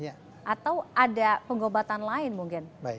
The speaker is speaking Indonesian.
atau ada pengobatan lain mungkin